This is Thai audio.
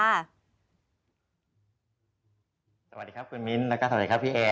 สวัสดีครับคุณมิ้นแล้วก็สวัสดีครับพี่แอร์